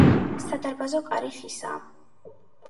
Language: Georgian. სადარბაზო კარი ხისაა.